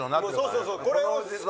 そうそうそう。